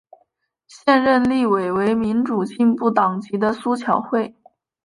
现任立委为民主进步党籍的苏巧慧。